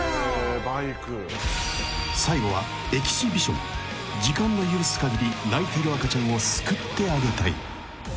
［最後はエキシビション］［時間の許すかぎり泣いている赤ちゃんを救ってあげたい］